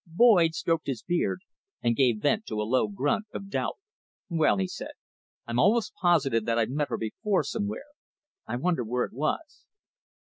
Boyd stroked his beard and gave vent to a low grunt of doubt. "Well," he said, "I'm almost positive that I've met her before somewhere. I wonder where it was."